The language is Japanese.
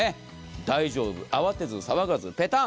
大丈夫、慌てず騒がずぺたん。